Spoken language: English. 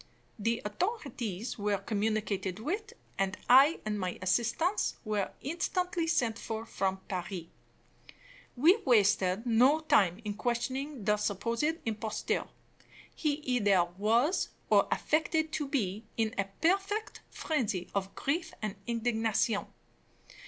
The authorities were communicated with, and I and my assistants were instantly sent for from Paris. "We wasted no time in questioning the supposed impostor. He either was, or affected to be, in a perfect frenzy of grief and indignation.